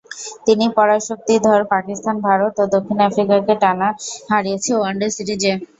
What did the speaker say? তিন পরাশক্তিধর পাকিস্তান, ভারত ও দক্ষিণ আফ্রিকাকে টানা হারিয়েছে ওয়ানডে সিরিজে।